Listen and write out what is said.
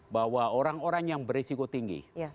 bahwa orang orang yang berisiko tinggi